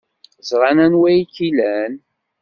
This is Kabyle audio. Ẓran anwa ay k-ilan.